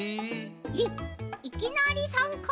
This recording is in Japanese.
えっいきなりさんか？